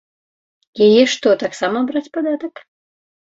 Яе што, таксама браць падатак?